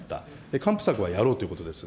還付策はやろうということです。